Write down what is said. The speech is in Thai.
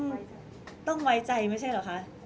ก็ต้องฝากพี่สื่อมวลชนในการติดตามเนี่ยแหละค่ะ